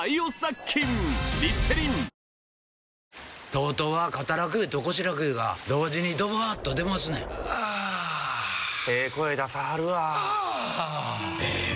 ＴＯＴＯは肩楽湯と腰楽湯が同時にドバーッと出ますねんあええ声出さはるわあええ